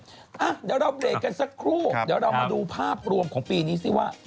เดี๋ยวเราเบรกกันสักครู่เดี๋ยวเรามาดูภาพรวมของปีนี้สิว่า